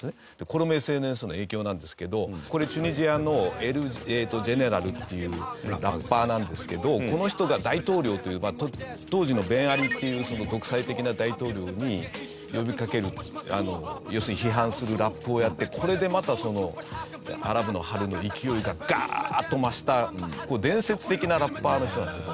これもＳＮＳの影響なんですけどこれチュニジアのエル・ジェネラルっていうラッパーなんですけどこの人が『大統領』という当時のベン・アリーっていう独裁的な大統領に呼びかける要するに批判するラップをやってこれでまたアラブの春の勢いがガーッと増した伝説的なラッパーの人なんですこの人。